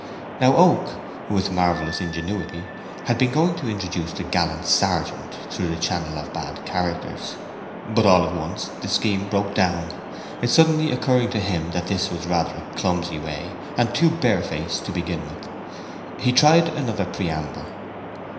Now Oak, with marvellous ingenuity, had been going to introduce the gallant sergeant through the channel of "bad characters." But all at once the scheme broke down, it suddenly occurring to him that this was rather a clumsy way, and too barefaced to begin with. He tried another preamble.